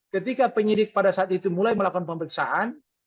ketika penyidik pada saat itu mulai melakukan pemeriksaan